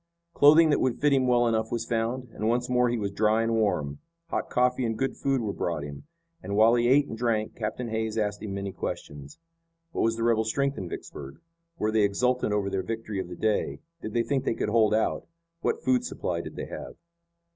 Clothing that would fit him well enough was found, and once more he was dry and warm. Hot coffee and good food were brought him, and while he ate and drank Captain Hays asked him many questions. What was the rebel strength in Vicksburg? Were they exultant over their victory of the day? Did they think they could hold out? What food supply did they have?